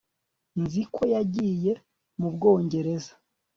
nzi ko yagiye mu bwongereza